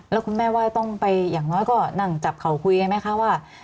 แล้วคุณแม่ว่าต้องไปอย่างน้อยก็นั่งจับเขาคุยกันไหมคะว่า